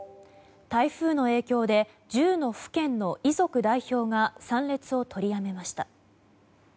台風の影響で１０の府県の遺族代表が参列を取りやめました。